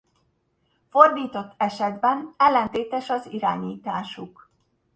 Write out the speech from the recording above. Fordított esetben ellentétes az irányításuk.